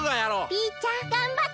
ピーちゃんがんばって。